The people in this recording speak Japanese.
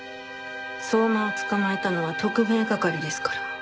相馬を捕まえたのは特命係ですから。